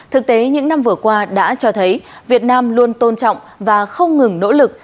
thực tế những năm vừa qua đã cho thấy việt nam luôn tôn trọng và không ngừng nỗ lực